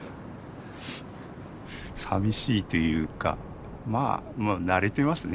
さみしいというかまあもう慣れてますね。